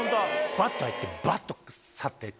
バッと入ってバッと去って行く。